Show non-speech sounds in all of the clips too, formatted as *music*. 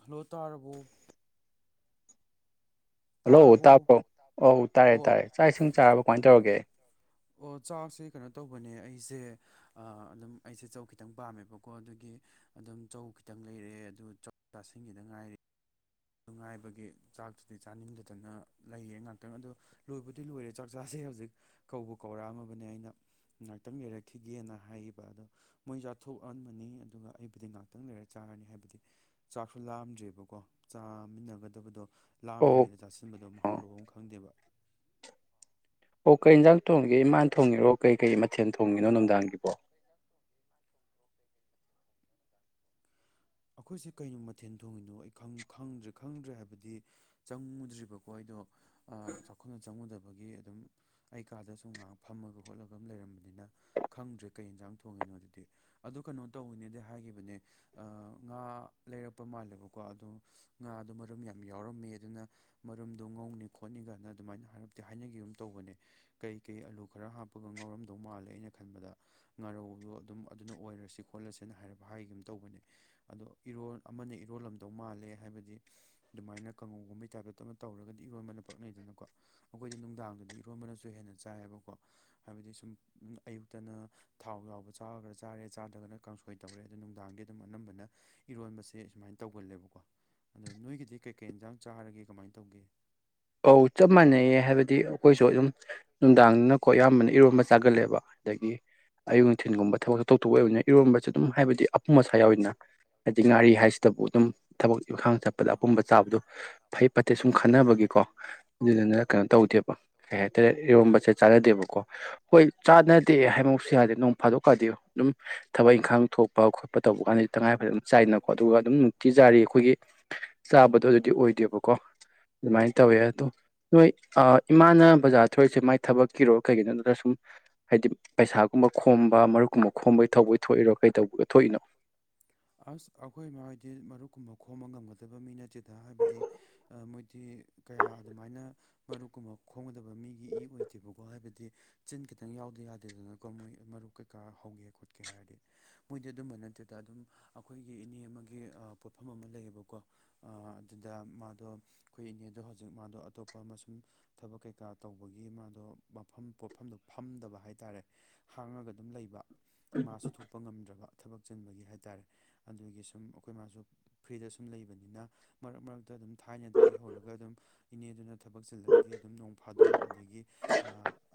Hello ꯇꯥꯔꯕꯣ hello ꯇꯥꯔꯕꯣ ꯇꯥꯕ꯭ꯔꯣ ꯑꯣꯧ ꯇꯥꯔꯦ ꯇꯥꯔꯦ ꯑꯣ ꯆꯥꯛ ꯏ ꯁꯨꯡ ꯆꯥꯔꯕ ꯀꯃꯥꯏꯅ ꯇꯧꯔꯒꯦ꯫ ꯑꯣ ꯆꯥꯛꯁꯦ ꯀꯩꯅꯣ ꯇꯧꯕꯅꯦ ꯑꯩꯁꯦ꯫ ꯑꯗꯨꯝ ꯑꯩꯁꯦ ꯆꯧ ꯈꯤꯇꯪ ꯄꯥꯝꯃꯦꯕꯀꯣ ꯑꯗꯒꯤ ꯑꯗꯨꯝ ꯆꯧ ꯈꯤꯇꯪ ꯂꯩꯔꯑꯦ ꯑꯗꯨ ꯆꯧ ꯆꯥꯁꯤꯒꯤꯗ ꯉꯥꯏꯔꯦ꯫ ꯅꯨꯡꯉꯥꯏꯕꯒꯤ ꯆꯥꯛꯇꯨꯗꯤ ꯆꯥꯅꯤꯡꯗꯗꯅ ꯂꯩꯌꯦ ꯉꯥꯛꯇꯪ ꯑꯗꯨꯗꯣ ꯂꯣꯏꯕꯨꯗꯤ ꯂꯣꯏꯔꯦ ꯆꯥꯛꯆꯥꯥꯁꯦ ꯍꯧꯖꯤꯛ ꯀꯧꯕ ꯀꯧꯔꯛꯑꯝꯃꯕꯅꯦ ꯑꯩꯅ ꯉꯥꯏꯍꯥꯛꯇꯪ ꯂꯩꯔꯛꯈꯤꯒꯦꯅ ꯍꯥꯏꯈꯤꯕ ꯑꯗꯣ ꯃꯣꯏ ꯆꯥꯊꯣꯛꯑꯟꯕꯅꯤ ꯑꯗꯨꯒ ꯑꯩꯕꯨꯗꯤ ꯉꯥꯏꯍꯥꯛꯇꯪ ꯂꯩꯔ ꯆꯥꯔꯅꯤ ꯍꯥꯏꯕꯗꯤ꯫ ꯆꯥꯛꯁꯨ ꯂꯥꯑꯝꯗ꯭ꯔꯦꯕꯀꯣ꯫ ꯆꯥꯃꯤꯟꯅꯒꯗꯕꯗꯣ ꯑꯣ ꯂꯥꯝꯗ꯭ꯔꯤꯉꯩꯗ ꯆꯥꯁꯤꯟꯕꯗꯣ ꯃꯍꯥꯎ ꯑꯣ ꯂꯧꯕ ꯑꯃ ꯈꯪꯗꯦꯕ꯫ ꯑꯣ ꯀꯩ ꯌꯦꯟꯖꯥꯡ ꯊꯣꯡꯒꯦ ꯏꯃꯥꯟ ꯊꯣꯡꯉꯤꯔꯣ ꯀꯩ ꯀꯩ ꯃꯊꯦꯜ ꯊꯣꯡꯉꯤꯅꯣ ꯅꯨꯡꯗꯥꯡꯒꯤꯕꯣ *inaudible* ꯑꯩꯈꯣꯏꯁꯦ ꯀꯩꯅꯣ ꯃꯊꯦꯜ ꯊꯣꯡꯉꯤꯅꯣ ꯑꯩ ꯈꯪꯗ꯭ꯔꯦ ꯈꯪꯗ꯭ꯔꯦ ꯍꯥꯏꯕꯗꯤ ꯆꯪꯉꯨꯗ꯭ꯔꯤꯕꯀꯣ ꯑꯩꯗꯣ ꯆꯥꯎꯈꯠꯅ ꯆꯪꯉꯨꯗꯕꯒꯤ ꯑꯗꯨꯝ ꯑꯩ ꯀꯥꯗꯁꯨ ꯉꯥꯏꯍꯥꯛ ꯐꯝꯃꯒ ꯈꯣꯠꯂꯒ ꯑꯃ ꯂꯩꯔꯝꯕꯅꯤꯅ꯫ ꯈꯪꯗ꯭ꯔꯦ ꯀꯩ ꯌꯦꯟꯁꯥꯡ ꯊꯣꯡꯉꯤꯅꯣ ꯑꯗꯨꯗꯤ ꯑꯗꯨ ꯀꯩꯅꯣ ꯇꯧꯅꯦꯗꯤ ꯍꯥꯏꯈꯤꯕꯅꯦ꯫ ꯑꯥ ꯉꯥ ꯂꯩꯔꯛꯄ ꯃꯥꯜꯂꯦꯕꯀꯣ ꯑꯗꯣ ꯉꯥꯗꯣ ꯃꯔꯨꯝ ꯌꯥꯝ ꯌꯥꯎꯔꯝꯃꯦ ꯑꯗꯨꯅ ꯃꯔꯨꯝꯗꯣ ꯉꯧꯅꯤ ꯈꯣꯠꯅꯤ ꯀꯥꯏꯅ ꯑꯗꯨꯃꯥꯏꯅ ꯍꯥꯏꯔꯞꯇꯤ ꯍꯥꯏꯅꯈꯤꯕꯨꯝ ꯇꯧꯕꯅꯦ꯫ ꯀꯩꯀꯩ ꯑꯂꯨ ꯈꯔ ꯍꯥꯞꯄꯒ ꯉꯥꯎꯔꯝꯗꯧ ꯃꯥꯜꯂꯦ ꯑꯩꯅ ꯈꯟꯕꯗ ꯉꯥꯔꯧꯕꯗꯣ ꯑꯗꯨꯝ ꯑꯗꯨꯅ ꯑꯣꯏꯔꯁꯤ ꯈꯣꯠꯂꯁꯦꯅ ꯍꯥꯏ ꯍꯥꯏꯒ ꯑꯃ ꯇꯧꯕꯅꯦ꯫ ꯑꯗꯣ ꯏꯔꯣ ꯑꯃꯅ ꯏꯔꯣꯜꯂꯝꯗꯧ ꯃꯥꯜꯂꯦ ꯍꯥꯏꯕꯗꯤ ꯑꯗꯨꯃꯥꯏꯅ ꯀꯥꯡꯉꯧꯒꯨꯝꯕ ꯇꯥꯏꯞꯇ ꯑꯗꯨ ꯇꯧꯔꯒꯗꯤ ꯏꯈꯣꯟꯕꯅ ꯄꯛꯅꯩꯗꯅꯀꯣ ꯑꯩꯈꯣꯏꯗꯤ ꯅꯨꯡꯗꯥꯡꯗꯨꯗꯤ ꯏꯔꯣꯟꯕꯅꯁꯨ ꯍꯦꯟꯅ ꯆꯥꯏꯌꯦꯕꯀꯣ ꯍꯥꯏꯕꯗꯤ ꯁꯨꯝ ꯑꯌꯨꯛꯇꯅ ꯊꯥꯎ ꯌꯥꯎꯕ ꯆꯥꯔꯒ꯭ꯔꯥ ꯆꯥꯔꯦ ꯆꯥꯗ꯭ꯔꯒꯅ ꯀꯥꯡꯁꯣꯏ ꯇꯧꯔꯦ ꯑꯗꯨꯣ ꯅꯨꯡꯗꯥꯡꯒꯤ ꯑꯗꯨꯝ ꯑꯅꯝꯕꯅ ꯏꯔꯣꯟꯕꯁꯦ ꯁꯨꯃꯥꯏꯅ ꯇꯧꯒꯜꯂꯦꯕꯀꯣ ꯑꯗꯣ ꯅꯣꯏꯒꯤꯗꯤ ꯀꯩꯀꯩ ꯏꯟꯖꯥꯡ ꯆꯥꯔꯒꯦ ꯀꯃꯥꯏꯅ ꯇꯧꯒꯦ꯫ ꯑꯧ ꯆꯞ ꯃꯥꯟꯅꯩꯌꯦ ꯍꯥꯏꯕꯗꯤ ꯑꯩꯈꯣꯏꯁꯨ ꯑꯗꯨꯝ ꯅꯨꯡꯗꯥꯡꯅꯀꯣ ꯑꯌꯥꯝꯕꯅ ꯏꯔꯣꯝꯕ ꯆꯥꯒꯜꯂꯦꯕ꯫ ꯑꯗꯒꯤ ꯑꯌꯨꯛ ꯅꯨꯡꯊꯤꯤꯟꯒꯨꯝꯕ ꯊꯕꯛꯁꯨ ꯇꯧꯊꯣꯛꯄ ꯑꯣꯏꯕꯅꯤꯅ ꯏꯔꯣꯟꯕꯁꯦ ꯑꯗꯨꯝ ꯍꯥꯏꯕꯗꯤ ꯑꯄꯨꯝ ꯑꯁꯥ ꯌꯥꯎꯋꯅ꯫ ꯍꯥꯏꯗꯤ ꯉꯥꯔꯤ ꯍꯥꯏꯁꯤꯗꯕꯨ ꯑꯗꯨꯝ ꯊꯕꯛ ꯏꯪꯈꯥꯡ ꯆꯠꯄꯗ ꯑꯄꯨꯝꯕ ꯆꯥꯕꯗ ꯐꯩ ꯐꯠꯇꯦ ꯁꯨꯝ ꯈꯟꯅꯕꯒꯤꯀꯣ ꯑꯗꯨꯗꯨꯅ ꯀꯩꯅꯣ ꯇꯧꯗꯦꯕ ꯀꯩ ꯍꯥꯏꯇꯥꯔꯦ ꯏꯔꯣꯝꯕꯁꯦ ꯆꯥꯟꯅꯗꯦꯕꯀꯣ ꯍꯣꯏ ꯆꯅ ꯐꯠꯇꯦ ꯍꯥꯏꯕꯃꯛꯁꯨ ꯌꯥꯗꯦ ꯅꯣꯡ ꯐꯥꯗꯣꯛꯀꯥꯟꯗꯤ ꯑꯗꯨꯝ ꯊꯕꯛ ꯏꯪꯈꯥꯡ ꯊꯣꯛꯄ ꯈꯣꯠꯄ ꯇꯧꯕ ꯀꯥꯟꯗ ꯇꯉꯥꯏꯐꯗ ꯆꯥꯏꯅꯀꯣ ꯑꯗꯨꯒ ꯑꯗꯨꯝ ꯅꯨꯡꯇꯤ ꯆꯥꯔꯤ ꯑꯩꯈꯣꯏꯒꯤ ꯆꯥꯕꯗꯣ ꯑꯗꯨꯗꯤ ꯑꯣꯏꯗꯦꯕꯀꯣ ꯑꯗꯨꯃꯥꯏꯅ ꯇꯧꯋꯦ ꯑꯗꯣ ꯅꯣꯏ ꯏꯃꯥꯅ ꯕꯖꯥꯔ ꯊꯧꯔꯤꯁꯦ ꯃꯥꯏ ꯊꯕꯛꯀꯤꯔꯣ ꯀꯩꯒꯤꯅꯣ ꯑꯗꯨꯗ ꯁꯨꯝ ꯍꯥꯏꯗꯤ ꯄꯩꯁꯥꯒꯨꯝꯕ ꯈꯣꯝꯕ ꯃꯔꯨꯞꯀꯨꯝꯕ ꯈꯣꯝꯕꯩ ꯊꯧꯕꯩ ꯊꯣꯛꯏꯔꯣ ꯀꯩ ꯇꯧꯕ ꯊꯣꯛꯏꯅꯣ꯫ ꯑꯁ ꯑꯩꯈꯣꯏ ꯃꯣꯏꯗꯤ ꯃꯔꯨꯞꯀꯨꯝꯕ ꯈꯣꯝꯕ ꯉꯝꯒꯗꯕ ꯃꯤ ꯅꯠꯇꯦ꯫ ꯗ ꯍꯥꯏꯕꯗꯤ ꯃꯣꯏꯗꯤ ꯀꯌꯥ ꯑꯗꯨꯃꯥꯏꯅ ꯃꯔꯨꯞꯀꯨꯝꯕ ꯈꯣꯡꯒꯗꯕ ꯃꯤꯒꯤ ꯏ ꯑꯣꯏꯗꯦꯕꯀꯣ ꯍꯥꯏꯕꯗꯤ ꯆꯤꯟ ꯈꯤꯇꯪ ꯌꯥꯎꯗꯦ ꯌꯥꯗꯦꯗꯅꯀꯣ ꯃꯣꯏ ꯃꯔꯨꯞ ꯀꯩꯀꯥ ꯍꯧꯒꯦ ꯈꯣꯠꯀꯦ ꯍꯥꯏꯔꯗꯤ ꯃꯣꯏꯗꯤ ꯑꯗꯨꯝꯕ ꯅꯠꯇꯦ꯫ ꯗ ꯑꯗꯨꯝ ꯑꯩꯈꯣꯏꯒꯤ ꯏꯅꯦ ꯑꯃꯒꯤ ꯄꯣꯠꯐꯝ ꯑꯃ ꯂꯩꯌꯦꯕꯀꯣ꯫ ꯑꯗꯨꯗ ꯃꯥꯗꯣ ꯑꯩꯈꯣꯏ ꯏꯅꯦꯗꯣ ꯍꯧꯖꯤꯛ ꯃꯥꯗꯣ ꯑꯇꯣꯞꯄ ꯑꯃꯁꯨꯡꯨꯝ ꯊꯕꯛ ꯀꯩꯀꯥ ꯇꯧꯕꯒꯤ ꯃꯥꯗꯣ ꯃꯐꯝ ꯄꯣꯠꯐꯝꯗꯣ ꯐꯝꯗꯕ ꯍꯥꯏꯇꯥꯔꯦ ꯍꯥꯡꯉꯒ ꯑꯗꯨꯝ ꯂꯩꯕ ꯃꯥꯁꯨ ꯊꯣꯛꯄ ꯉꯝꯗ꯭ꯔꯕ ꯊꯕꯛ ꯆꯛꯆꯤꯟꯕꯒꯤ ꯍꯥꯏꯇꯥꯔꯦ ꯑꯗꯨꯗꯒꯤ ꯁꯨꯝ ꯑꯩꯈꯣꯏ ꯃꯥꯁꯨ ꯐ꯭ꯔꯤꯗ ꯁꯨꯝ ꯂꯩꯕꯅꯤꯅ ꯃꯔꯛ ꯃꯔꯛꯇ ꯑꯗꯨꯝ ꯊꯥꯏꯅꯗꯒꯤ ꯍꯧꯔꯒ ꯑꯗꯨꯝ ꯏꯅꯦ ꯑꯗꯨꯅ ꯊꯕꯛ ꯆꯤꯜꯂꯒꯗꯤ ꯑꯗꯨꯝ ꯅꯣꯡ ꯐꯥꯗꯣꯛ ꯑꯗꯒꯤ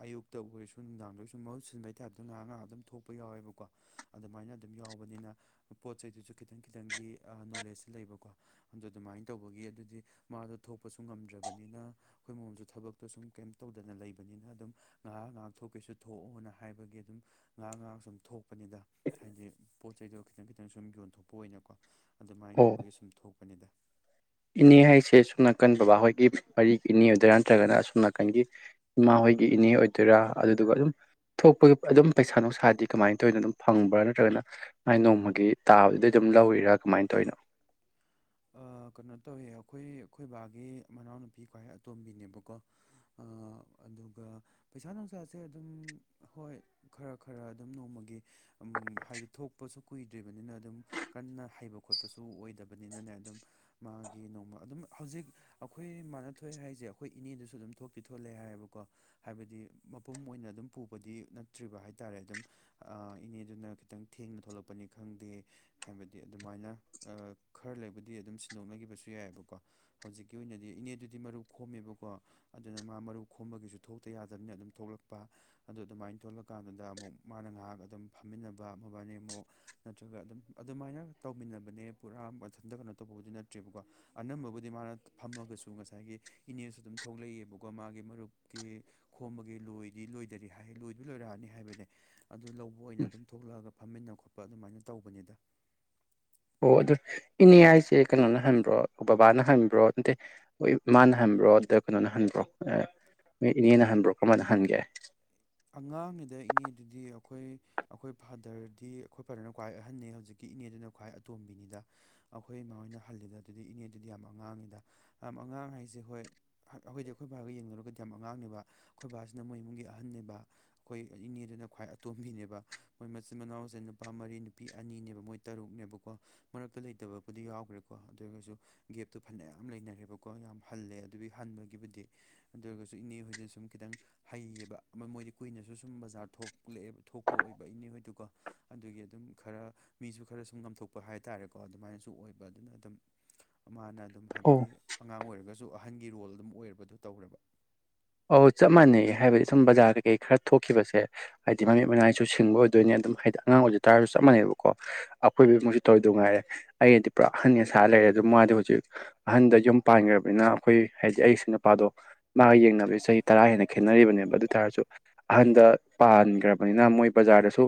ꯑꯌꯨꯛꯇ ꯑꯣꯏꯔꯁꯨ ꯅꯨꯡꯗꯥꯡꯗ ꯑꯣꯏꯔꯁꯨ ꯃꯍꯨꯠ ꯁꯤꯟꯕꯩꯇꯥꯏꯕꯗ ꯉꯥꯏꯍꯥꯛ ꯉꯥꯏꯍꯥꯛ ꯑꯗꯨꯝ ꯊꯣꯛꯄ ꯌꯥꯎꯋꯦꯕꯀꯣ ꯑꯗꯨꯃꯥꯏꯅ ꯑꯗꯨꯝ ꯌꯥꯎꯕꯅꯤꯅ ꯄꯣꯠ ꯆꯩꯗꯨꯁꯨ ꯈꯤꯇꯪ ꯈꯤꯇꯪꯒꯤ ꯅꯣꯂꯦꯖꯁ ꯂꯩꯕꯀꯣ ꯑꯗꯨ ꯑꯗꯨꯃꯥꯏꯅ ꯇꯧꯕꯒꯤ ꯑꯗꯨꯗꯤ ꯃꯥꯗꯣ ꯊꯣꯛꯄꯁꯨ ꯉꯝꯗ꯭ꯔꯕꯅꯤꯅ ꯑꯩꯈꯣꯏ ꯃꯃꯝꯁꯨ ꯊꯕꯛꯇꯣ ꯁꯨꯝ ꯀꯩꯝ ꯇꯧꯗꯅ ꯂꯩꯕꯅꯤꯅ ꯑꯗꯨꯝ ꯉꯍꯥ ꯉꯍꯥꯛ ꯊꯣꯛꯀꯦꯁꯨ ꯊꯣꯛꯑꯣꯅ ꯍꯥꯏꯕꯒꯤ ꯑꯗꯨꯝ ꯉꯥꯏꯍꯥꯛ ꯉꯥꯏꯍꯥꯛ ꯁ ꯑꯗꯨꯝ ꯊꯣꯛ ꯄꯛꯄꯅꯤꯗ ꯍꯥꯏꯗꯤ ꯄꯣꯠ ꯆꯩꯗꯣ ꯈꯤꯇꯪ ꯈꯤꯇꯪ ꯁꯨꯝ ꯌꯣꯟꯊꯣꯛꯄ ꯑꯣꯏꯅꯀꯣ ꯑꯗꯨꯃꯥꯏꯅ ꯑꯣ ꯇꯧꯕꯒꯤ ꯁꯨꯝ ꯊꯣꯛꯄꯅꯤꯗ ꯏꯅꯦ ꯍꯥꯏꯁꯦ ꯑꯁꯣꯝ ꯅꯥꯀꯟ ꯕꯕꯥꯍꯣꯏꯒꯤ ꯃꯔꯤꯒꯤ ꯏꯅꯦ ꯑꯣꯏꯗꯣꯏꯔꯥ ꯅꯠꯇ꯭ꯔꯒꯅ ꯑꯁꯣꯝ ꯅꯥꯀꯟꯒꯤ ꯏꯃꯥ ꯍꯣꯏꯒꯤ ꯏꯅꯦ ꯑꯣꯏꯗꯣꯏꯔꯥ ꯑꯗꯨꯗꯨꯒ ꯑꯗꯨꯝ ꯊꯣꯛꯄꯒꯤ ꯑꯗꯨꯝ ꯄꯩꯁꯥ ꯅꯨꯡꯁꯥꯗꯤ ꯀꯃꯥꯏꯅ ꯇꯧꯅ ꯑꯗꯨꯝ ꯐꯪꯕ꯭ꯔꯥ ꯅꯠꯇ꯭ꯔꯒꯅ ꯃꯥꯥꯏ ꯅꯣꯡꯃꯒꯤ ꯇꯥꯕꯗꯩ ꯑꯗꯨꯝ ꯂꯧꯋꯔꯥ ꯀꯃꯥꯏꯅ ꯇꯧꯔꯤꯅꯣ ꯀꯩꯅꯣ ꯇꯧꯏꯦ ꯑꯩꯈꯣꯏ ꯑꯩꯈꯣꯏꯕꯥꯒꯤ ꯃꯅꯥꯎꯅꯨꯄꯤ ꯀꯍ ꯑꯇꯣꯝꯕꯤꯅꯦꯕꯀꯣ ꯑ ꯑꯗꯨꯒ ꯄꯩꯁꯥ ꯅꯨꯡꯁꯥꯁꯦ ꯑꯗꯨꯝ ꯍꯣꯏ ꯈꯔ ꯈꯔ ꯑꯗꯨꯝ ꯅꯣꯡꯃꯒꯤ ꯍꯥꯏꯗꯤ ꯊꯣꯛꯄꯁꯨ ꯀꯨꯏꯗ꯭ꯔꯤꯕꯅꯤꯅ ꯑꯗꯨꯝ ꯀꯟꯅ ꯍꯩꯕ ꯈꯣꯠꯄꯁꯨ ꯑꯣꯏꯗꯕꯅꯤ ꯅꯤꯅꯅꯦ ꯑꯗꯨꯝ ꯃꯥꯒꯤ ꯅꯣꯡꯃ ꯑꯗꯨꯝ ꯍꯧꯖꯤꯛ ꯑꯩꯈꯣꯏ ꯃꯥꯅ ꯊꯣꯛꯑꯦ ꯍꯥꯏꯁꯦ ꯑꯩꯈꯣꯏ ꯏꯅꯦꯗꯨꯁꯨ ꯑꯗꯨꯝ ꯊꯣꯛꯇꯤ ꯊꯣꯛꯂꯦ ꯍꯥꯏꯌꯦꯕꯀꯣ ꯍꯥꯏꯕꯗꯤ ꯃꯄꯨꯝ ꯑꯣꯏꯅ ꯑꯗꯨꯝ ꯄꯨꯕꯗꯤ ꯅꯠꯇ꯭ꯔꯤꯕ ꯍꯥꯏꯇꯥꯥꯔꯦ ꯑꯗꯨꯝ ꯏꯅꯦꯗꯨꯅ ꯈꯤꯇꯪ ꯊꯦꯡꯅ ꯊꯣꯛꯂꯛꯄꯅꯤ ꯈꯪꯗꯦ ꯍꯥꯏꯕꯗꯤ ꯑꯗꯨꯃꯥꯏꯅ ꯈꯔ ꯂꯩꯕꯨꯗꯤ ꯑꯗꯨꯝ ꯁꯤꯟꯗꯣꯛꯅꯈꯤꯕꯁꯨ ꯌꯥꯏꯑꯕꯀꯣ ꯍꯧꯖꯤꯛꯀꯤ ꯑꯣꯏꯅꯗꯤ ꯏꯅꯦꯗꯨꯗꯤ ꯃꯔꯨ ꯈꯣꯝꯃꯦꯕꯀꯣ ꯑꯗꯨꯅ ꯃꯥ ꯃꯔꯨ ꯈꯣꯝꯕꯒꯤꯁꯨ ꯊꯣꯛꯇ ꯌꯥꯗꯕꯅꯤꯅ ꯑꯗꯨꯝ ꯊꯣꯛꯂꯛꯄ ꯑꯗꯨ ꯑꯗꯨꯃꯥꯏꯅ ꯊꯣꯛꯣꯂꯀꯥꯟꯗꯨꯗ ꯑꯃꯨꯛ ꯃꯥꯅ ꯉꯥꯏꯍꯥꯛ ꯑꯗꯨꯝ ꯐꯝꯃꯤꯟꯅꯕ ꯃꯕꯥꯅꯤ ꯑꯃꯨꯛ ꯅꯠꯇ꯭ꯔꯒ ꯑꯗꯨꯝ ꯑꯗꯨꯃꯥꯏꯅ ꯇꯧꯃꯤꯟꯅꯕꯅꯦ ꯄꯨꯔꯥ ꯃꯊꯟꯇ ꯀꯩꯅꯣ ꯇꯧꯕꯕꯨꯗꯤ ꯅꯠꯇ꯭ꯔꯦꯕꯀꯣ ꯑꯅꯝꯕꯕꯨꯗꯤ ꯃꯥꯅ ꯐꯝꯃꯒꯁꯨ ꯉꯁꯥꯏꯒꯤ ꯏꯅꯦꯁꯨ ꯑꯗꯨꯝ ꯊꯣꯛꯂꯛꯏꯑꯕꯀꯣ ꯃꯥꯒꯤ ꯃꯔꯨꯞꯀꯤ ꯈꯣꯝꯕꯒꯤ ꯂꯣꯏꯗꯤ ꯂꯣꯏꯗꯔꯤ ꯂꯣꯏꯗꯤ ꯂꯣꯏꯔꯛꯑꯅꯤ ꯍꯥꯏꯕꯅꯦ ꯑꯗꯨ ꯑ ꯑꯣꯏꯅ ꯎꯝ ꯑꯗꯨꯝ ꯊꯣꯛꯂꯛꯑꯒ ꯐꯝꯃꯤꯟꯅ ꯈꯣꯠꯄ ꯑꯗꯨꯃꯥꯏꯅ ꯇꯧꯕꯅꯤꯗ ꯑꯣ ꯑꯗꯨ ꯍꯥꯏꯁꯦ ꯀꯩꯅꯣꯅ ꯍꯪꯕ꯭ꯔꯣ ꯕꯕꯥꯅ ꯍꯪꯕ꯭ꯔꯣ ꯅꯠꯇꯦ ꯍꯣꯏ ꯃꯥꯅ ꯍꯟꯕ꯭ꯔꯣ ꯑꯗ ꯀꯩꯅꯣꯅ ꯍꯟꯕ꯭ꯔꯣ ꯅꯣꯏ ꯏꯅꯦꯅ ꯍꯟꯕ꯭ꯔꯣ ꯀꯔꯝꯥꯏꯅ ꯍꯟꯒꯦ ꯑꯉꯥꯡꯉꯗ ꯏꯅꯦ ꯑꯗꯨꯗꯤ ꯑꯩꯈꯣꯏ ꯑꯩꯈꯣꯏ ꯐꯥꯗꯔꯗꯤ ꯑꯩꯈꯣꯏ ꯐꯥꯗꯔꯅ ꯈ꯭ꯋꯥꯏ ꯑꯍꯟꯅ ꯍꯧꯖꯤꯛꯀꯤ ꯏꯅꯦꯗꯨꯅ ꯈ꯭ꯋꯥꯏ ꯑꯇꯣꯝꯕꯤꯅꯤꯗ ꯑꯩꯈꯣꯏ ꯏꯃꯥꯣꯏꯅ ꯍꯜꯂꯤꯗ ꯑꯗꯨꯗꯤ ꯏꯅꯦꯗꯨꯗꯤ ꯌꯥꯝ ꯑꯉꯥꯡꯉꯤꯗ ꯌꯥꯝ ꯑꯉꯥꯡ ꯍꯥꯏꯁꯦ ꯍꯣꯏ ꯑꯩꯈꯣꯏꯗꯤ ꯑꯩꯈꯣꯏ ꯕꯥꯒ ꯌꯦꯡꯅꯨꯔꯒꯗꯤ ꯌꯥꯝ ꯑꯉꯥꯡꯅꯦꯕ ꯑꯩꯈꯣꯏ ꯕꯥꯁꯤꯅ ꯃꯣꯏ ꯏꯃꯨꯡꯒꯤ ꯑꯍꯟꯅꯦꯕ ꯑꯩꯈꯣꯏ ꯏꯅꯦꯗꯨꯅ ꯈ꯭ꯋꯥꯏ ꯑꯇꯣꯝꯕꯤꯅꯦꯕ ꯃꯣꯏ ꯃꯆꯤꯟ ꯃꯅꯥꯎꯁꯦ ꯅꯨꯄꯥ ꯃꯔꯤ ꯅꯨꯄꯤ ꯑꯅꯤꯅꯦꯕ ꯃꯣꯏ ꯇꯔꯨꯛꯅꯦꯕꯀꯣ ꯃꯔꯛꯇ ꯂꯩꯇꯕꯕꯨꯗꯤ ꯌꯥꯎꯈ꯭ꯔꯦꯀꯣ ꯑꯗꯨ ꯑꯣꯏꯔꯒꯁꯨ ꯒꯦꯞꯇꯨ ꯐꯅꯌꯥꯝ ꯂꯩꯅꯔꯦꯕꯀꯣ ꯌꯥꯝ ꯍꯜꯂꯦ ꯑꯗꯨꯒꯤ ꯍꯟꯕꯒꯤꯕꯨꯗꯤ ꯑꯗꯨ ꯑꯣꯏꯔꯒꯁꯨ ꯏꯅꯦ ꯍꯣꯏꯖꯤꯅ ꯁꯨꯝ ꯈꯤꯇꯪ ꯍꯩꯌꯦꯕ ꯑꯃ ꯃꯣꯏꯗꯤ ꯀꯨꯏꯅꯁꯨ ꯁꯨꯝ ꯕꯖꯥꯔ ꯊꯣꯛꯂꯛꯑꯦꯕ ꯊꯣꯛꯄ ꯑꯣꯏꯕ ꯏꯅꯤ ꯍꯣꯏꯗꯨꯒ ꯑꯗꯨꯒꯤ ꯑꯗꯨꯝ ꯈꯔ ꯃꯤꯁꯨ ꯈꯔ ꯁꯨꯝ ꯉꯝꯊꯣꯛꯄ ꯍꯥꯏꯇꯥꯥꯔꯦꯀꯣ ꯑꯗꯨꯃꯥꯏꯅꯁꯨ ꯑꯣꯏꯕ ꯑꯗꯨꯅ ꯑꯗꯨꯝ ꯃꯥꯅ ꯑꯗꯨꯝ ꯑꯣ ꯍꯥꯏꯕꯗꯤ ꯑꯉꯥꯡ ꯑꯣꯏꯔꯒꯁꯨ ꯑꯍꯟꯒꯤ ꯔꯣꯜ ꯑꯗꯨꯝ ꯑꯣꯏꯔꯕꯗꯨ ꯇꯧꯔꯦꯕ ꯑꯧ ꯆꯞ ꯃꯥꯟꯅꯩ ꯍꯥꯏꯕꯗꯤ ꯁꯨꯝ ꯕꯖꯥꯔ ꯀꯩꯀꯩ ꯈꯔ ꯊꯣꯛꯈꯤꯕꯁꯦ ꯍꯥꯏꯗꯤ ꯃꯃꯤꯠ ꯃꯅꯥꯏꯁꯨ ꯁꯤꯡꯕ ꯑꯣꯏꯗꯣꯏꯅꯤ ꯑꯗꯨꯝ ꯍꯥꯏꯗꯤ ꯑꯉꯥꯡ ꯑꯣꯏꯖ ꯇꯥꯔꯁꯨ ꯆꯞ ꯃꯥꯟꯩꯕꯀꯣ ꯑꯩꯈꯣꯏꯕ ꯃꯁꯨ ꯇꯧꯔꯤꯗ ꯉꯥꯏꯔꯦ ꯑꯩꯗꯤ ꯄꯨꯔꯥ ꯑꯍꯟ ꯑꯁꯥ ꯂꯩꯔꯦ ꯑꯗꯨ ꯃꯥꯗꯤ ꯍꯧꯖꯤꯛ ꯑꯍꯟꯗ ꯌꯨꯝ ꯄꯥꯟꯈ꯭ꯔꯕꯅꯤꯅ ꯑꯩꯈꯣꯏ ꯍꯥꯏꯗꯤ ꯑꯩꯁꯨ ꯅꯨꯄꯥꯗꯣ ꯃꯥ ꯌꯦꯡꯅꯕ ꯆꯍꯤ ꯇꯔꯥ ꯍꯦꯟꯅ ꯈꯦꯠꯅꯔꯤꯕꯅꯦꯕ ꯑꯗꯨ ꯇꯥꯔꯁꯨ ꯑꯍꯟꯗ ꯄꯥꯟꯈ꯭ꯔꯕꯅꯤꯅ ꯃꯣꯏ ꯕꯖꯥꯔꯗꯁꯨ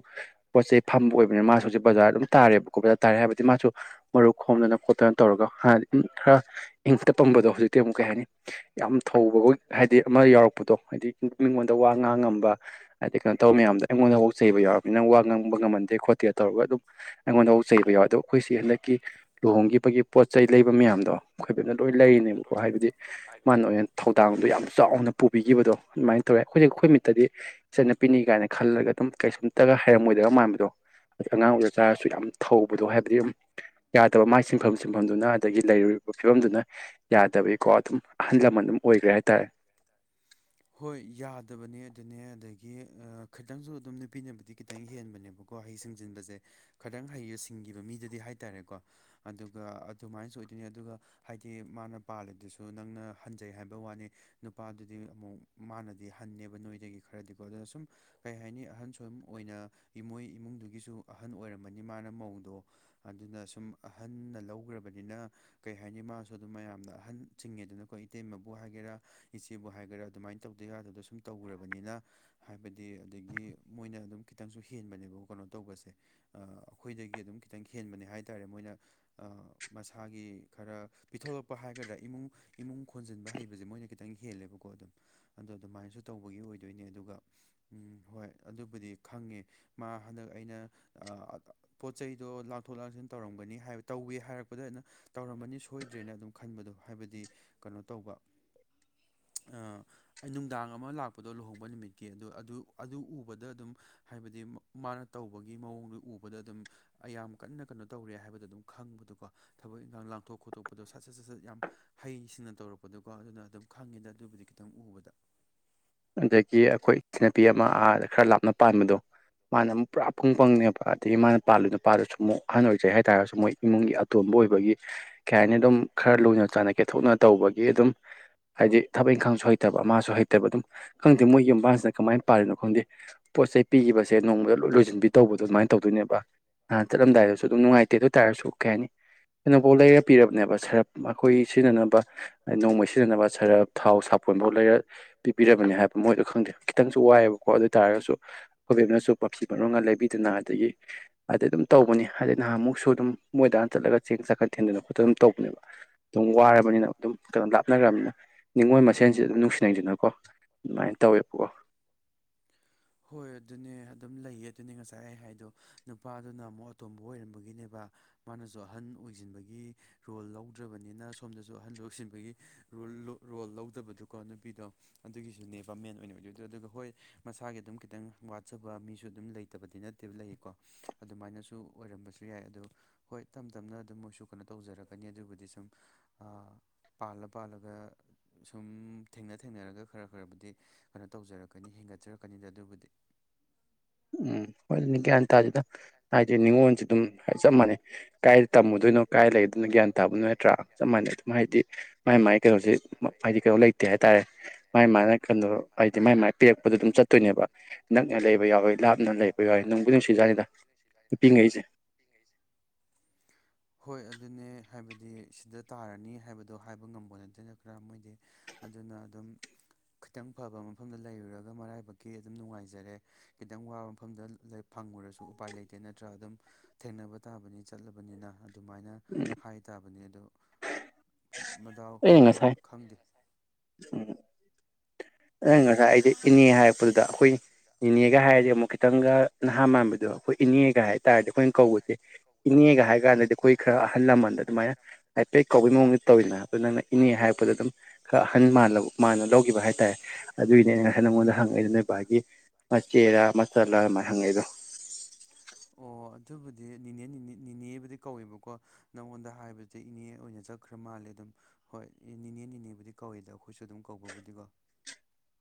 ꯄꯣꯠ ꯆꯩ ꯐꯝꯕ ꯑꯣꯏꯕꯅꯤ ꯃꯥꯁꯨ ꯍꯨꯖꯤ ꯕꯖꯥꯔ ꯑꯗꯨꯝ ꯇꯥꯔꯦꯕ꯫ ꯀꫭꯕ ꯇꯥꯔꯦ ꯍꯥꯏꯕꯗꯤ ꯃꯥꯁꯨ ꯃꯔꯨꯞ ꯈꯣꯝꯗꯅ ꯈꯣꯠꯇꯅ ꯇꯧꯔꯒ ꯈꯔ ꯏꯪꯇꯞꯄꯝꯕꯗꯣ ꯍꯧꯖꯤꯛ ꯇꯦ ꯑꯃꯨꯛ ꯀꯩ ꯍꯥꯏꯅꯤ ꯌꯥꯝ ꯊꯧꯕꯒ ꯍꯥꯏꯗꯤ ꯑꯃ ꯌꯥꯎꯔꯛꯄꯗꯣ ꯍꯥꯏꯗꯤ ꯃꯤꯉꯣꯟꯗ ꯋꯥ ꯉꯥꯡꯉꯝꯕ ꯍꯥꯏꯗꯤ ꯀꯩꯅꯣ ꯇꯧꯕ ꯃꯌꯥꯝꯗꯣ ꯑꯩꯉꯣꯟꯗ ꯍꯧ ꯆꯩꯕ ꯌꯥꯎꯔꯕꯅꯤꯅ ꯋꯥ ꯉꯥꯡꯕ ꯕ ꯉꯝꯍꯟꯗꯦ ꯈꯣꯠꯇꯦ ꯇꯧꯔꯒ ꯑꯗꯨꯝ ꯑꯩꯉꯣꯟꯗꯐꯧ ꯆꯩꯕ ꯌꯥꯎꯋꯦ ꯑꯗꯣ ꯑꯩꯈꯣꯏ ꯆꯦ ꯍꯟꯗꯛꯀꯤ ꯂꯨꯍꯣꯡꯈꯤꯕꯒꯤ ꯄꯣꯠ ꯆꯩ ꯂꯩꯕ ꯃꯌꯥꯝꯗꯣ ꯈꯣꯏꯕꯦꯅ ꯂꯣꯏ ꯂꯩꯔꯤꯅꯦꯕꯀꯣ ꯍꯥꯏꯕꯗꯤ ꯍꯥꯏꯕꯗꯤ ꯃꯥꯅ ꯑꯣꯏꯅ ꯊꯧꯗꯥꯡꯗꯣ ꯌꯥꯝ ꯆꯥꯎꯅ ꯄꯨꯕꯤꯈꯤꯕꯗꯣ ꯑꯗꯨꯃꯥꯏꯅ ꯇꯧꯋꯦ ꯑꯈꯣꯏꯅ ꯈꯣꯏ ꯃꯤꯠꯇꯗꯤ ꯆꯠꯅꯄꯤꯅꯤ ꯀꯥꯏꯅ ꯈꯜꯂꯒ ꯑꯗꯨꯝ ꯀꯩꯁꯨꯝꯇꯒ ꯍꯩꯔꯝꯃꯣꯏꯗꯕ ꯃꯥꯟꯕꯗꯣ꯫ ꯍꯩꯗꯤ ꯑꯉꯥꯡ ꯑꯣꯏꯗ ꯇꯥꯔꯁꯨ ꯌꯥꯝ ꯊꯧꯕꯗꯣ ꯍꯥꯏꯕꯗꯤ ꯌꯨꯝ ꯌꯥꯗꯕ ꯃꯥꯏ ꯆꯤꯟꯐꯝ ꯆꯤꯟꯐꯝꯗꯨꯅ ꯑꯗꯒꯤ ꯂꯩꯔꯨꯔꯤꯕ ꯐꯤꯕꯝꯗꯨꯅ ꯌꯥꯗꯕꯒꯤꯀꯣ ꯑꯗꯨꯝ ꯑꯍꯟ ꯂꯃꯟ ꯑꯗꯨꯝ ꯑꯣꯏꯈ꯭ꯔꯦ ꯍꯥꯏꯇꯥꯔꯦ꯫ ꯍꯣꯏ ꯌꯥꯗꯕꯅꯦ ꯑꯗꯨꯅꯦ ꯑꯗ ꯒꯤ ꯑ ꯈꯤꯇꯪꯁꯨ ꯑꯗꯨꯝ ꯅꯨꯄꯤꯅꯕꯨꯗꯤ ꯈꯤꯇꯪ ꯍꯦꯟꯕꯅꯦꯕꯀꯣ ꯍꯩ ꯁꯤꯡꯖꯤꯟꯕꯁꯦ꯫ ꯈꯤꯇꯪ ꯍꯩ ꯁꯤꯡꯈꯤꯕ ꯃꯤꯗꯗꯤ ꯍꯥꯏꯇꯥꯔꯦꯀꯣ ꯑꯗꯨꯒ ꯑꯗꯨꯃꯥꯏꯅꯁꯨ ꯑꯣꯏꯗꯣꯏꯅꯤ ꯑꯗꯨꯒ ꯍꯥꯏꯗꯤ ꯃꯥꯅ ꯄꯥꯜꯂꯤꯗꯨꯁꯨ ꯅꯪꯅ ꯍꯟꯖꯩ ꯍꯥꯏꯕ ꯋꯥꯅꯤ ꯅꯨ ꯄꯥꯗꯨꯗꯤ ꯑꯃꯨꯛ ꯃꯥꯅꯗꯤ ꯍꯟꯅꯦꯕ ꯅꯣꯏꯗꯒꯤ ꯈꯔꯗꯤꯀꯣ ꯑꯗꯨꯅ ꯁꯨꯝ ꯀꯩ ꯍꯥꯏꯅꯤ ꯑꯍꯟꯁꯨ ꯑꯎꯝ ꯑꯣꯏꯅ ꯏꯃꯣꯏ ꯏꯃꯨꯡꯗꯨꯒꯤꯁꯨ ꯑꯍꯟ ꯑꯣꯏꯔꯝꯕꯅꯤ ꯃꯥꯅ ꯃꯧꯗꯣ ꯑꯗꯨꯅ ꯁꯨꯝ ꯑꯍꯟꯅ ꯂꯧꯈ꯭ꯔꯕꯅꯤꯅ ꯀꯩ ꯍꯥꯏꯅꯤ ꯃꯥꯁꯨ ꯑꯗꯨꯝ ꯃꯌꯥꯝꯅ ꯑꯍꯟ ꯆꯤꯡꯉꯤꯗꯅꯀꯣ ꯏꯇꯩꯃꯕꯨ ꯍꯥꯏꯒꯦꯔꯥ ꯏꯆꯦꯕꯨ ꯍꯥꯏꯒꯦꯔꯥ ꯑꯗꯨꯃꯥꯏꯅ ꯇꯧꯗ ꯌꯥꯗꯗ ꯁꯨꯝ ꯇꯧꯈ꯭ꯔꯕꯅꯤꯅ꯫ ꯍꯥꯏꯕꯗꯤ ꯑꯗꯒꯤ ꯃꯣꯏꯅ ꯑꯗꯨꯝ ꯈꯤꯇꯪꯁꯨ ꯍꯦꯟꯕꯅꯦꯕ ꯀꯩꯅꯣ ꯇꯧꯕꯁꯦ꯫ ꯑꯩꯈꯣꯏꯗꯒꯤ ꯑꯗꯨꯝ ꯈꯤꯇꯪ ꯍꯦꯟꯕꯅꯦ ꯍꯥꯏ ꯇꯥꯔꯦ ꯑ ꯃꯣꯏꯅ ꯑ ꯃꯁꯥꯒꯤ ꯈꯔ ꯄꯤꯊꯣꯛꯂꯛꯄ ꯍꯥꯏꯒꯗ꯭ꯔꯥ ꯏꯃꯨꯡ ꯏꯃꯨꯡ ꯈꯣꯟꯖꯤꯟꯕ ꯍꯕꯁꯦ ꯃꯣꯏꯅ ꯈꯤ ꯈꯤꯇꯪ ꯍꯦꯜꯂꯦꯕꯀꯣ ꯑꯗꯨꯝ ꯑꯗꯣ ꯑꯗꯨꯃꯥꯏꯅꯁꯨ ꯇꯧꯕꯒꯤ ꯑꯣꯏꯗꯣꯏꯅꯦ ꯑꯗꯨꯒ ꯎꯝ ꯍꯣꯏ ꯑꯗꯨꯕꯨꯗꯤ ꯈꯪꯉꯦ ꯃꯥ ꯍꯟꯗꯛ ꯑꯩꯅ ꯑꯥ ꯄꯣꯠꯆꯩꯗꯣ ꯂꯥꯡꯊꯣꯛ ꯂꯥꯡꯁꯤꯟ ꯇꯧꯔꯝꯒꯅꯤ ꯍꯥꯏꯕ ꯇꯧꯒꯦ ꯍꯥꯏꯔꯛꯄꯗ ꯑꯗꯨꯅ ꯇꯧꯔꯝꯃꯅꯤ ꯁꯣꯏꯗ꯭ꯔꯦꯅ ꯑꯗꯨꯝ ꯈꯟꯕꯗꯣ ꯍꯥꯏꯕꯗꯤ ꯀꯩꯅꯣ ꯇꯧꯕ ꯑ ꯑꯩ ꯅꯨꯡꯗꯥꯡ ꯑꯃ ꯂꯥꯛꯄꯗꯣ ꯂꯨꯍꯣꯡꯕ ꯅꯨꯃꯤꯠꯀꯤ ꯑꯗꯨꯗꯣ ꯑꯗꯨ ꯑꯗꯨ ꯎꯕꯗ ꯑꯗꯨꯝ ꯍꯥꯏꯕꯗꯤ ꯃꯥꯅ ꯇꯧꯕꯒꯤ ꯃꯑꯣꯡꯗꯨ ꯎꯕꯗ ꯑꯗꯨꯝ ꯑꯌꯥꯝ ꯀꯟꯅ ꯀꯩꯅꯣ ꯇꯧꯔꯦ ꯍꯥꯏꯕꯗꯣ ꯑꯗꯨꯝ ꯈꯪꯕꯗꯣꯀꯣ ꯊꯕꯛ ꯏꯪꯈꯥꯡ ꯂꯥꯡꯊꯣꯛ ꯈꯣꯠꯇꯣꯛꯄꯗꯣ ꯁꯠ ꯁꯠ ꯁꯠ ꯁꯠ ꯌꯥꯝ ꯍꯩꯁꯤꯡꯅ ꯇꯧꯔꯛꯄꯗꯣꯀꯣ ꯑꯗꯨꯅ ꯑꯗꯨꯝ ꯈꯪꯉꯤꯗ ꯑꯗꯨꯕꯨꯗꯤ ꯈꯤꯇꯪ ꯎꯕꯗ꯫ ꯑꯗꯒꯤ ꯑꯩꯈꯣꯏ ꯏꯆꯤꯟꯅꯨꯄꯤ ꯑꯃ ꯑꯥꯗ ꯈꯔ ꯂꯥꯞꯅ ꯄꯥꯟꯕꯗꯣ꯫ ꯃꯥꯅ ꯑꯃꯨꯛ ꯄꯨꯔꯥ ꯄꯨꯡ ꯄꯪꯅꯦꯕ ꯑꯗꯒꯤ ꯃꯥꯅ ꯄꯥꯜꯂꯤ ꯅꯨꯄꯥꯗꯨꯁꯨ ꯑꯃꯨꯛ ꯑꯍꯥꯟ ꯑꯣꯏꯖꯩ ꯍꯥꯏꯇꯥꯥꯔꯁꯨ ꯃꯣꯏ ꯏꯃꯨꯡꯒꯤ ꯑ ꯇꯣꯟꯕ ꯑꯣꯏꯕꯒꯤ ꯀꯩ ꯍꯥꯏꯅꯤ ꯑꯗꯨꯝ ꯈꯔ ꯂꯨꯅ ꯆꯥꯟꯅ ꯀꯦꯊꯣꯛꯅ ꯇꯧꯕꯒꯤ ꯑꯗꯨꯝ ꯍꯥꯏꯗꯤ ꯊꯕꯛ ꯏꯪꯈꯥꯡꯁꯨ ꯍꯩꯇꯕ ꯑꯃꯥꯁꯨ ꯍꯩꯇꯕ ꯑꯗꯨꯝ ꯈꯪꯗꯦ ꯃꯣꯏꯒꯤ ꯃꯕꯥꯥꯟꯁꯤꯅ ꯀꯃꯥꯏꯅꯥꯔꯤꯅꯣ ꯈꯪꯗꯦ꯫ ꯄꯣꯠ ꯆꯩ ꯄꯤꯈꯤꯕꯁꯦ ꯅꯣꯡꯃꯗ ꯂꯣꯏ ꯂꯣꯏꯁꯤꯟꯕꯤ ꯇꯧꯕꯗꯣ ꯑꯗꯨꯃꯥꯏꯅ ꯇꯧꯗꯣꯏꯅꯦꯕ꯫ ꯑ ꯆꯠꯂꯝꯗꯥꯏꯗꯁꯨ ꯑꯗꯨꯝ ꯅꯨꯡꯉꯥꯏꯇꯦ ꯑꯗꯨ ꯑꯣꯏꯇꯥꯔꯁꯨ ꯀꯩ ꯍꯥꯏꯅꯤ ꯀꯩꯅꯣꯐꯧ ꯂꯩꯔ ꯄꯤꯔꯕꯅꯦꯕ ꯁꯔꯞ ꯑꯩꯈꯣꯏ ꯁꯤꯖꯤꯟꯅꯅꯕ ꯅꯣꯡꯃ ꯁꯤꯖꯤꯟꯅꯕ ꯁꯔꯞ ꯊꯥꯎ ꯁꯥꯄꯣꯟꯐꯥꯎ ꯂꯩꯔ ꯄꯤ ꯄꯤꯔꯕꯅꯦ ꯍꯥꯏꯕ ꯃꯣꯏꯗꯣ ꯈꯪꯗꯦ ꯈꯤꯇꯪꯁꯨ ꯋꯥꯏꯑꯦꯕꯀꯣ ꯑꯗꯨꯑꯣꯏ ꯇꯥꯔꯒꯁꯨ ꯈꫭꯏ ꯕꯦꯝꯅꯁꯨ ꯃꯐꯤ ꯃꯔꯣꯟꯒ ꯂꯩꯕꯤꯗꯅ ꯑꯗꯒꯤ ꯑꯗꯩ ꯑꯗꯨꯝ ꯇꯧꯕꯅꯤ ꯍꯥꯏꯗꯤ ꯅꯍꯥꯟꯃꯨꯛꯁꯨ ꯑꯗꯨꯝ ꯃꯣꯏꯗꯥ ꯆꯠꯂꯒ ꯆꯦꯡ ꯆꯥꯛꯀꯠ ꯊꯦꯟꯗꯅ ꯈꯣꯠꯇꯅ ꯑꯗꯨꯝ ꯇꯧꯕꯅꯦꯕ꯫ ꯑꯗꯨꯝ ꯋꯥꯔꯕꯅꯤꯅ ꯑꯗꯨꯝ ꯀꯩꯅꫭꯝ ꯂꯥꯞꯅꯈ꯭ꯔꯕꯅꯤꯅ ꯅꯤꯡꯉꯣꯏ ꯃꯁꯦꯟꯁꯦ ꯑꯗꯨꯝ ꯅꯨꯡꯁꯤꯅꯩꯗꯅꯀꯣ꯫ ꯑꯗꯨꯃꯥꯏꯅ ꯇꯧꯋꯦꯕꯀꯣ꯫ ꯍꯣꯏ ꯑꯗꯨꯅꯦ ꯑꯗꯨꯝ ꯂꯩꯌꯦ ꯑꯗꯨꯅꯦ ꯉꯁꯥꯏ ꯑꯩ ꯍꯥꯏꯗꯣ ꯅꯨꯄꯥꯗꯨꯅ ꯑꯃꯨꯛ ꯑꯇꯣꯝꯕ ꯑꯣꯏꯔꯝꯕꯒꯤꯅꯦꯕ꯫ ꯃꯥꯅꯁꯨ ꯑꯍꯟ ꯑꯣꯏꯁꯤꯟꯕꯒꯤ ꯔꯣꯜ ꯂꯧꯗ꯭ꯔꯕꯅꯤꯅ ꯁꯣꯝꯗꯁꯨ ꯑꯍꯟ ꯂꯧꯁꯤꯟꯕꯒꯤ ꯔꯣꯜ ꯂꯧꯗꯕꯗꯨꯀꯣ ꯅꯨꯄꯤꯗꯣ ꯑꯗꯨꯒꯤꯁꯨꯅꯦꯕ ꯃꯦꯟ ꯑꯣꯏꯅ ꯑꯣꯏꯗꯣꯏꯗꯣ ꯑꯗꯨꯒ ꯍꯣꯏ ꯃꯁꯥ ꯏꯁꯥꯒꯤ ꯑꯗꯨꯝ ꯈꯤꯇꯪ ꯋꯥꯠꯆꯕ ꯃꯤꯁꯨ ꯑꯗꯨꯝ ꯂꯩꯇꯕꯗꯤ ꯅꯠꯇꯦꯕ ꯂꯩꯀꯣ ꯑꯗꯨꯃꯥꯏꯅꯁꯨ ꯑꯣꯏꯔꯝꯕꯁꯨ ꯌꯥꯏ ꯑꯗꯣ ꯍꯣꯏ ꯇꯝ ꯇꯝꯅ ꯑꯗꯨꯝ ꯃꯣꯏꯁꯨ ꯀꯩꯅꯣ ꯇꯧꯖꯔꯛꯀꯅꯤ ꯑꯗꯨꯕꯨꯗꯤ ꯁꯨꯝ ꯑꯥ ꯄꯥꯜꯂ ꯄꯥꯜꯂꯒ ꯁꯨꯝ ꯊꯦꯡꯅ ꯊꯦꯡꯅꯔꯒ ꯈꯔ ꯈꯔꯕꯨꯗꯤ ꯀꯩꯅꯣ ꯇꯧꯖꯔꯛꯀꯅꯤ ꯍꯦꯟꯒꯠꯆꯔꯛꯀꯅꯤꯗ ꯑꯗꯨꯕꯨꯗꯤ ꯎꯝ ꯍꯣꯏꯅꯤ ꯒꯌ꯭ꯥꯟ ꯇꯥꯗꯦꯗ ꯍꯥꯏꯗꯤ ꯅꯤꯉꯣꯟꯁꯨ ꯑꯗꯨꯝ ꯆꯞ ꯃꯥꯟꯅꯩ ꯀꯥꯏꯗ ꯇꯝꯃꯨꯗꯣꯏꯅꯣ ꯀꯥꯏ ꯂꯩ ꯑꯗꯨꯅ ꯒ꯭ꯌꯥꯟ ꯇꯥꯕꯅꯣ ꯅꯠꯇ꯭ꯔꯥ ꯆꯞ ꯃꯥꯟꯅ ꯑꯗꯨꯝ ꯍꯥꯏꯗꯤ ꯃꯥꯥꯏ ꯃꯥꯏ ꯀꯩꯅꯣꯁꯦ ꯍꯥꯏꯗꯤ ꯀꯩꯅꯣ ꯂꯩ ꯍꯥꯏꯇꯥꯔꯦ ꯃꯥꯥꯏ ꯃꯥꯅ ꯀꯩꯅꯣ ꯍꯥꯏꯗꯤ ꯃꯥꯏ ꯃꯥꯅ ꯄꯤꯔꯛꯄꯗꯣ ꯑꯗꯨꯝ ꯆꯠꯇꯣꯏꯅꯦꯕ ꯅꯛꯅ ꯂꯩꯕ ꯌꯥꯎꯋ ꯂꯥꯞꯅ ꯂꯩꯕ ꯌꯥꯋ ꯅꯪꯕꯨꯗꯤ ꯅꯨꯡꯁꯤꯖꯥꯠꯅꯤꯗ ꯅꯨꯄꯤ ꯉꯩꯁꯦ *unintelligible* ꯍꯣꯏ ꯑꯗꯨꯅꯦ ꯍꯥꯏꯕꯗꯤ ꯁꯤꯗ ꯇꯥꯔꯅꯤ ꯍꯥꯏꯕꯗꯣ ꯍꯥꯏꯕ ꯉꯝꯕ ꯅꯠꯇꯦ ꯈꯔ ꯃꯣꯏꯗꯤ ꯑꯗꯨꯅ ꯑꯗꯨꯝ ꯈꯤꯇꯪ ꯐꯕ ꯃꯐꯝꯗ ꯂꯩꯔꯨꯔꯒ ꯃꯔꯥꯏꯕꯛꯀꯤ ꯑꯗꯨꯝ ꯅꯨꯡꯉꯥꯏꯖꯔꯦ ꯈꯤꯇꯪ ꯋꯥꯕ ꯃꯐꯝꯗ ꯐꯪꯉꯨꯔꯁꯨ ꯎꯄꯥꯏ ꯂꯩꯇꯦ ꯅꯠꯇ꯭ꯔ ꯑꯗꯨꯝ ꯊꯦꯡꯅꯕ ꯇꯥꯕꯅꯤ ꯆꯠꯂꯕꯅꯤꯅ ꯑꯗꯨꯃꯥꯏꯅ ꯎꯝ ꯍꯥꯏ ꯇꯥꯕꯅꯤ ꯑꯗꯣ ꯃꯗꯥꯎ ꯑꯩꯅ ꯈꯔ ꯉꯁꯥꯏ ꯈꯪꯗꯦ *unintelligible* ꯑꯩ ꯉꯁꯥꯏ ꯑꯩ ꯏꯅꯦ ꯍꯥꯏꯔꯛꯄꯗꯨꯗ ꯑꯩꯈꯣꯏ ꯅꯤꯅꯦꯒ ꯍꯥꯏꯔꯗꯤ ꯑꯃꯨꯛ ꯈꯤꯇꯪꯒ ꯅꯍꯥꯟ ꯃꯥꯟꯕꯗꯣ ꯑꯩꯈꯣꯏ ꯏꯅꯦꯒ ꯍꯥꯏ ꯍꯥꯏꯇꯥꯥꯔꯗꯤ ꯑꯩꯈꯣꯏꯅ ꯀꯧꯕꯁꯦ ꯏꯅꯦꯒ ꯍꯥꯏꯔ ꯀꯥꯟꯗꯗꯤ ꯑꯩꯈꯣꯏ ꯈꯔ ꯑꯍꯜ ꯂꯃꯟꯗ ꯑꯗꯨꯃꯥꯏꯅ ꯍꯥꯏꯐꯦꯠ ꯀꯧꯕꯒꯤ ꯃꯑꯣꯡꯗ ꯇꯧꯔꯤꯅ ꯑꯗꯨꯗꯣ ꯅꯪꯅ ꯏꯅꯦ ꯍꯥꯏꯔꯛꯄꯗ ꯑꯗꯨꯝ ꯈꯔ ꯑꯍꯟꯜ ꯃꯥꯥꯟꯅ ꯂꯧꯈꯤꯕ ꯍꯥꯏꯇꯥꯔꯦ ꯑꯗꯨꯒꯤꯅꯦ ꯉꯁꯥꯏ ꯅꯪꯉꯣꯟꯗ ꯍꯪꯉꯛꯏꯗꯣ ꯅꯣꯏ ꯕꯥꯏꯒꯤ ꯃꯆꯦꯔ ꯃꯆꯜꯂꯥ ꯑꯗꯨꯃꯥꯏꯅ ꯍꯪꯉꯛꯏꯗꯣ ꯑꯣ ꯑꯗꯨꯕꯨꯗꯤꯅꯦ ꯅꯤꯅꯦꯕꯨꯗꯤ ꯀꯧꯋꯦꯕꯀꯣ ꯅꯪꯉꯣꯟꯗ ꯍꯥꯏꯕꯁꯦ ꯏꯅꯦ ꯑꯣꯏꯅ ꯆꯠꯈ꯭ꯔ ꯃꯥꯜꯂꯦ ꯑꯗꯨꯝ ꯍꯣꯏ ꯅꯤꯅꯦ ꯅꯤꯅꯦꯕꯨꯗꯤ ꯀꯧꯏꯗ ꯑꯩꯈꯣꯏꯁꯨ ꯑꯗꯨꯝ ꯀꯧꯕꯕꯨꯗꯤꯀꯣ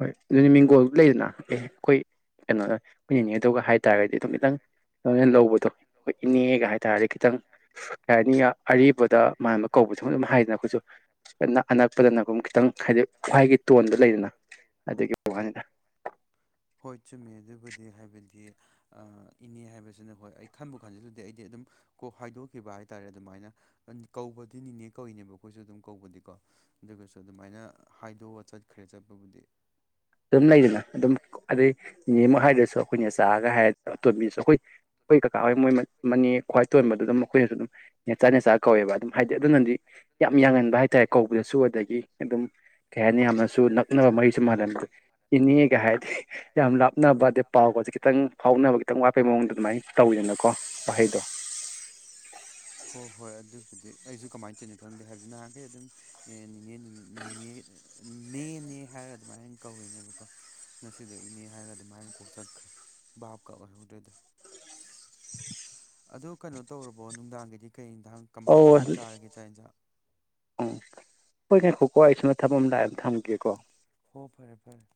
ꯍꯣꯏ ꯑꯗꯨꯅꯤ ꯃꯤꯡꯒꯣꯜ ꯂꯩꯗꯅ ꯑꯦ ꯑꯩꯈꯣꯏ ꯀꯩꯅꯣꯗ ꯑꯩꯈꯣꯏ ꯅꯤꯅꯦꯗꯣꯒ ꯍꯥꯏ ꯍꯥꯏꯇꯥꯔꯒꯗꯤ ꯑꯗꯨꯝ ꯈꯤꯇꯪ ꯂꯣꯏꯅ ꯂꯧꯕꯗꯣ ꯈꯣꯏ ꯏꯅꯦꯒ ꯍꯥꯏꯇꯥꯔꯗꯤ ꯈꯤꯇꯪ ꯀꯩ ꯍꯥꯏꯅꯤ ꯑꯔꯤꯕꯗ ꯃꯥꯟꯕ ꯀꯧꯕꯁꯤ ꯑꯗꯨꯝ ꯍꯥꯏꯗꯅ ꯑꯩꯈꯣꯏꯁꯨ ꯑꯅꯛꯄꯗꯅ ꯈꯤꯇꯪ ꯍꯥꯏꯗꯤ ꯈ꯭ꯋꯥꯏꯒꯤ ꯇꯣꯟꯗ ꯂꯩꯗꯅ ꯑꯗꯨꯒꯤ ꯋꯅꯤꯗ ꯍꯣꯏ ꯆꯨꯝꯃꯦ ꯑꯗꯨꯕꯨꯗꯤ ꯍꯥꯏꯕꯗꯤ ꯏꯅꯦ ꯍꯥꯏꯕꯁꯤꯅ ꯍꯣꯏ ꯑꯩ ꯈꯟꯕꯨ ꯈꯟꯖꯤꯂꯗꯤ ꯑꯩꯗꯤ ꯑꯗꯨꯝ ꯀꯣ ꯍꯥꯏꯗꯣꯛꯈꯤꯕ ꯍꯥꯏꯇꯥꯔꯦ ꯑꯗꯨꯃꯥꯏꯅ ꯀꯧꯕꯗꯤ ꯅꯤꯅꯦ ꯀꯧꯏꯅꯦꯕ ꯑꯩꯈꯣꯏꯁꯨ ꯑꯗꯨꯝ ꯀꯧꯕꯗꯤ ꯀꯣ ꯑꯗꯨꯒꯁꯨ ꯑꯗꯨꯃꯥꯏꯅ ꯍꯥꯏꯗꯣꯛꯑ ꯆꯠꯈ꯭ꯔꯦ ꯆꯠꯄꯕꯨꯗꯤ ꯑꯗꯨꯝ ꯂꯩꯗꯅ ꯑꯗꯨꯝ ꯑꯗꯩ ꯅꯤꯅꯦꯃꯛ ꯍꯥꯏꯗꯔꯁꯨ ꯑꯩꯈꯣꯏꯅ ꯅꯦꯆꯥꯒ ꯍꯥꯏ ꯑꯇꯣꯝꯕꯤꯁꯨ ꯑꯩꯈꯣꯏ ꯑꯩꯈꯣꯏ ꯀꯥꯀꯥ ꯃꯣꯏ ꯃꯅꯦ ꯈ꯭ꯋꯥꯏ ꯇꯣꯟꯕꯗꯨ ꯑꯗꯨꯝ ꯃꯈꯣꯏꯅꯁꯨ ꯑꯗꯨꯝ ꯅꯦꯆꯥ ꯅꯦꯆꯥ ꯀꯧꯋꯦꯕ ꯑꯗꯨꯝ ꯍꯥꯏꯗꯤ ꯑꯗꯨꯅꯗꯤ ꯌꯥꯝ ꯌꯥꯡꯍꯟꯕ ꯍꯥꯏꯇꯥꯔꯦ ꯀꯧꯕꯗꯁꯨ ꯑꯗꯒꯤ ꯑꯗꯨꯝ ꯀꯩ ꯍꯥꯏꯅꯤ ꯌꯥꯝꯅꯁꯨ ꯅꯛꯅꯕ ꯃꯔꯤꯁꯨꯝ ꯃꯥꯜꯍꯕ‌ꯗ‌ꯣ ꯏꯅꯦꯒ ꯍꯥꯏꯔꯗꯤ ꯌꯥꯝ ꯂꯥꯞꯅꯕ ꯑꯗꯩ ꯄꯥꯎꯒꯁꯦ ꯈꯤꯇꯪ ꯐꯥꯎꯅꯕ ꯈꯤꯇꯪ ꯋꯥꯠꯄꯩ ꯃꯑꯣꯡꯗ ꯑꯗꯨꯃꯥꯏꯅ ꯇꯧꯋꯗꯅꯀꯣ ꯋꯥꯍꯩꯗꯣ ꯍꯣ ꯍꯣꯏ ꯑꯗꯨꯕꯨꯗꯤ ꯑꯩꯁꯨ ꯀꯃꯥꯏꯅ ꯇꯧꯔꯤꯅꯣ ꯈꯪꯗꯦ ꯍꯥꯏꯕꯗꯤ ꯅꯍꯥꯟꯈꯩ ꯑꯗꯨꯝ ꯑꯦ ꯅꯤꯅ‌ꯦ ꯅꯤꯅ‌ꯦ ꯅꯤꯅ‌ꯦ ꯅꯦꯅꯦ ꯍꯥꯏꯔꯒ ꯑꯗꯨꯃꯥꯏꯅ ꯀꯧꯔꯤꯅꯦꯕꯀꯣ ꯉꯁꯤꯗ ꯏꯅꯦ ꯍꯥꯏꯔꯒ ꯑꯗꯨꯃꯥꯏꯅ ꯀꯣꯛ ꯆꯠꯈ꯭ꯔꯦ ꯕꯥꯄꯀ ꯑꯣꯏꯍꯧꯗ‌ꯦꯗ ꯑꯗꯨ ꯀꯩꯅꯣ ꯇꯧꯔꯕꯣ ꯅꯨꯡꯗꯥꯡꯒꯤꯗꯤ ꯀꯩ ꯏꯟꯖꯥꯡ ꯀꯃꯥꯏ ꯀꯃꯥꯏꯅ ꯆꯥꯔꯒꯦ ꯆꯥꯛ ꯏꯟꯖꯥꯡ ꯎꯝ ꯍꯣꯏ ꯉꯥꯏꯈꯣꯀ‌ꯣ ꯑꯩ ꯁ‌ꯣꯝꯗ ꯊꯕꯛ ꯑꯃ ꯂꯥꯛꯑꯦ ꯑꯝꯇ ꯍꯪꯉꯨꯒꯤꯒꯦꯀꯣ ꯍꯣ ꯐꯔꯦ ꯐꯔꯦ